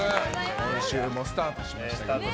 今週もスタートしましたね。